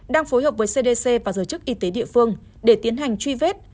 đang phối hợp với cdc và giới chức y tế địa phương để tiến hành truy vết